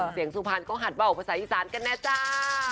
เสียงสุภัณฑ์ก็หัดเบาภาษาอีสานกันนะจ้า